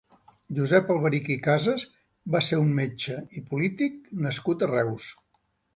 Josep Alberic i Cases va ser un metge i polític nascut a Reus.